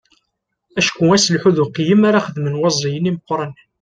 Acku aselḥu d uqeyyem ara xedmen waẓiyen imeqqranen.